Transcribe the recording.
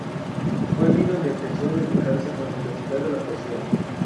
Fue allí donde empezó a dedicarse con intensidad a la poesía.